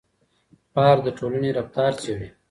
پارک د ټولنې رفتار څېړي.